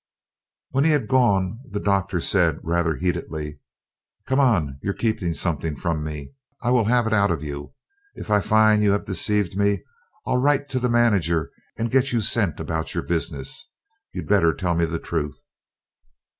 When he had gone, the Doctor said rather heatedly, "Come, you're keeping something from me, I will have it out of you. If I find you have deceived me, I'll write to the manager and get you sent about your business you'd better tell me the truth."